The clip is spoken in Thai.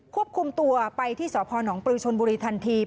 ควบคุมตัวไปที่สพนปลือชนบุรีทันที